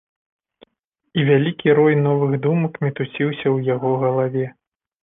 І вялікі рой новых думак мітусіўся ў яго галаве.